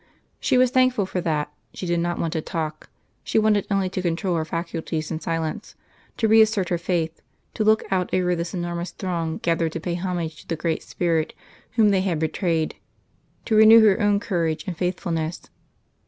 She was thankful for that: she did not want to talk; she wanted only to control her faculties in silence, to reassert her faith, to look out over this enormous throng gathered to pay homage to the great Spirit whom they had betrayed, to renew her own courage and faithfulness.